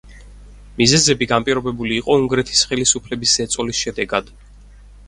მიზეზები განპირობებული იყო უნგრეთის ხელისუფლების ზეწოლის შედეგად.